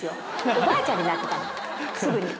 おばあちゃんになってたすぐに。